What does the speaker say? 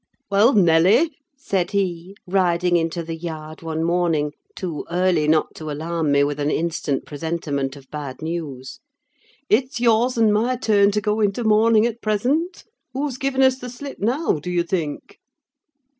"Well, Nelly," said he, riding into the yard one morning, too early not to alarm me with an instant presentiment of bad news, "it's yours and my turn to go into mourning at present. Who's given us the slip now, do you think?"